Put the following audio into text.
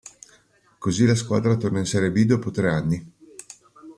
Così la squadra torna in Serie B dopo tre anni.